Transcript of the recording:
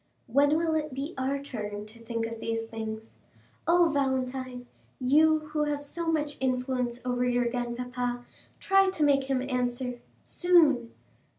"When will it be our turn to think of these things? Oh, Valentine, you who have so much influence over your grandpapa, try to make him answer—Soon."